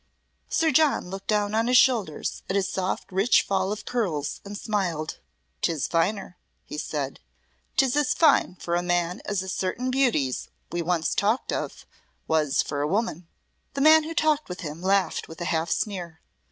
Sir John looked down on his shoulders at his soft rich fall of curls and smiled. "'Tis finer," he said. "'Tis as fine for a man as a certain beauty's, we once talked of, was for a woman." The man who talked with him laughed with a half sneer.